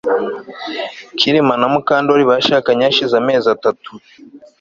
Kirima na Mukandoli bashakanye hashize amezi atatu